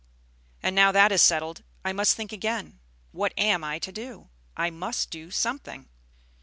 And now that is settled, I must think again, what am I to do? I must do something."